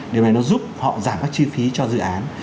điều này nó giúp họ giảm các chi phí cho dự án